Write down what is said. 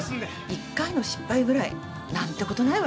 一回の失敗ぐらい何てことないわよ。